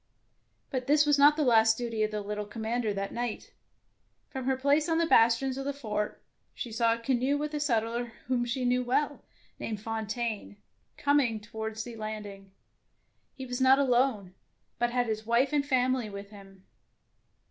But this was not the last duty of the little commander that night. From her place on the bastions of the fort she saw a canoe with a settler whom she knew well, named Fontaine, coming towards the 109 DEEDS OF DAEING landing. He was not alone, but had his wife and family with him.